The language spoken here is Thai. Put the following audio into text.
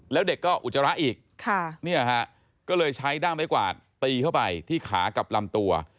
แล้วเด็กก็อุจจาระอีกก็เลยใช้ด้ามไม้กวาดตีเข้าไปที่ขากับลำตัว